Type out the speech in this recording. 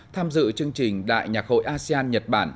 tham dự chương trình đại nhạc hội asean nhật bản